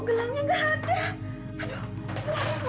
gelang ibu dicopet